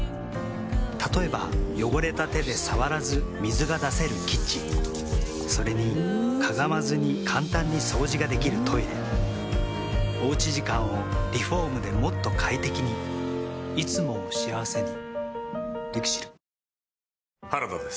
例えば汚れた手で触らず水が出せるキッチンそれにかがまずに簡単に掃除ができるトイレおうち時間をリフォームでもっと快適にいつもを幸せにＬＩＸＩＬ。